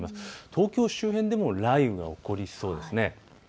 東京周辺でも雷雨が起こりそうです。